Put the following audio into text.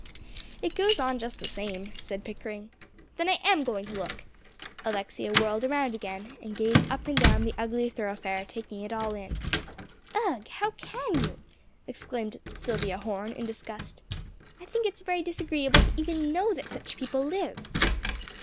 "It goes on just the same," said Pickering. "Then I am going to look." Alexia whirled around again, and gazed up and down the ugly thoroughfare, taking it all in. "Ugh, how can you!" exclaimed Silvia Horne, in disgust. "I think it's very disagreeable to even know that such people live."